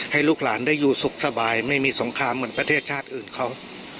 ให้ลูกหลานได้อยู่สุขสบายไม่มีสงครามเหมือนประเทศชาติอื่นเขา